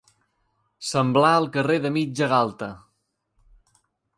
Semblar el carrer de mitja galta.